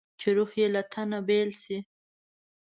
چې روح یې له تنه بېل شي.